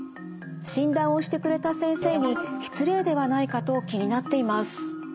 診断をしてくれた先生に失礼ではないかと気になっています」。